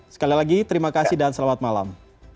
sekali lagi terima kasih dan selamat malam